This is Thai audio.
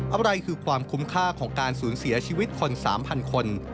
อะไรคือความคุ้มค่าของการสูญเสียชีวิตคน๓๐๐คน